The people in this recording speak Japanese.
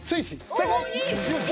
正解！